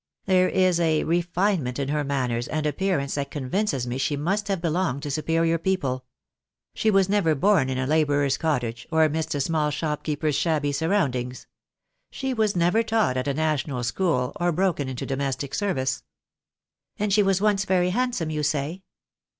There is a refinement in her manners and appearance that convinces me she must have belonged to superior people. She was never born in a labourer's cottage, or amidst a small shop keeper's shabby surroundings. She was never taught at a National School, or broken into domestic service." "And she was once very handsome, you say?"